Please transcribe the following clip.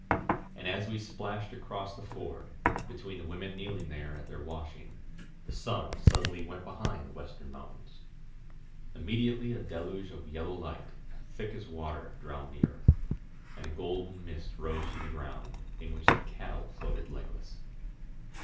And as we splashed across the ford, between the women kneeling there at their washing, the sun suddenly went behind the western mountains. Immediately a deluge of yellow light, thick as water, drowned the earth, and a golden mist rose from the groui^d, in which the cattle floated legless.